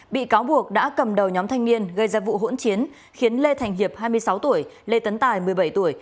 bị cáo buộc đã cầm đầu nhóm thanh niên gây ra vụ hỗn chiến khiến lê thành hiệp hai mươi sáu tuổi lê tấn tài một mươi bảy tuổi